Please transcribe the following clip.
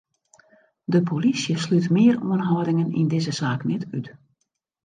De polysje slút mear oanhâldingen yn dizze saak net út.